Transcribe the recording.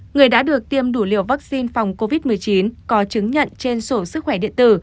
người đã được tiêm đủ liều vaccine phòng covid một mươi chín có chứng nhận trên sổ sức khỏe điện tử